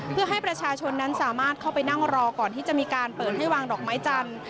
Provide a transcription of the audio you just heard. เพื่อให้ประชาชนนั้นสามารถเข้าไปนั่งรอก่อนที่จะมีการเปิดให้วางดอกไม้จันทร์